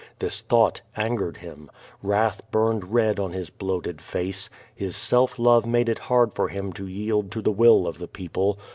This thought angered him. Wrath burned red on his bloated face. His self love made it hard for him to yield to the will of the people.